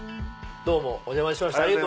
どうもお邪魔しました。